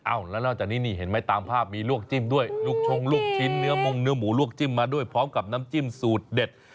แล้วนอกจากนี้นี่เห็นไหมตามภาพมีลวกจิ้มด้วยลูกชงลูกชิ้นเนื้อมงเนื้อหมูลวกจิ้มมาด้วยพร้อมกับน้ำจิ้มสูตรเด็ด